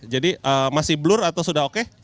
jadi masih blur atau sudah oke